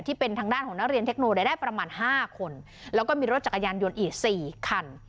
ที่เป็นทางด้านของนักเรียนเทคโนได้ได้ประมาณห้าคนแล้วก็มีรถจักรยานยนต์อีกสี่คัน